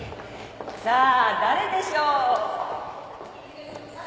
さあ誰でしょう。